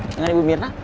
dengan ibu mirna